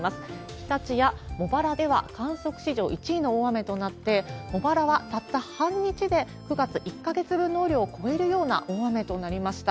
日立や茂原では観測史上１位の大雨となって、茂原はたった半日で９月１か月分の雨量を超えるような大雨となりました。